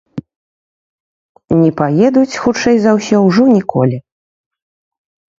Не паедуць, хутчэй за ўсё, ужо ніколі.